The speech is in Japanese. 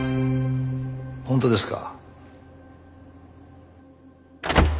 本当ですか？